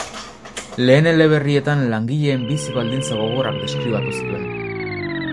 Lehen eleberrietan langileen bizi-baldintza gogorrak deskribatu zituen.